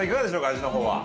味の方は。